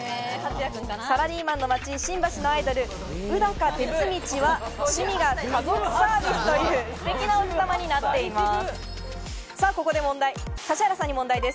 サラリーマンの街・新橋のアイドル、烏鷹鉄路は趣味が家族サービスという、ステキなおじさまになっています。